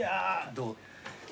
どう？